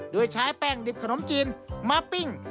โดยใช้แป้งดิบขนมจีนมาปิ้ง